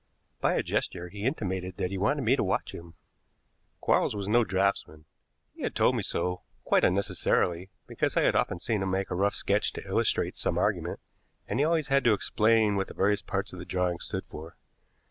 By a gesture he intimated that he wanted me to watch him. Quarles was no draughtsman. He had told me so quite unnecessarily, because I had often seen him make a rough sketch to illustrate some argument, and he always had to explain what the various parts of the drawing stood for.